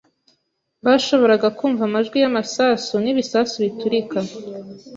Bashoboraga kumva amajwi y'amasasu n'ibisasu biturika.